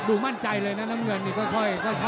ดูมั่นใจเลยน้ำเงินค่อยดู